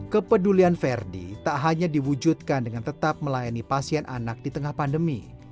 kepedulian verdi tak hanya diwujudkan dengan tetap melayani pasien anak di tengah pandemi